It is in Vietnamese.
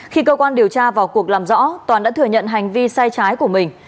khi cơ quan điều tra vào cuộc làm rõ toàn đã thừa nhận hành vi sai trái của mình